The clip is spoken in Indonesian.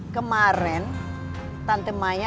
kemarin tante maya